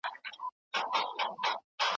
د سياست پوهني اصول د اړتياوو له مخي بدليږي.